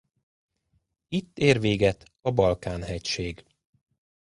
Itt ér véget a Balkán-hegység.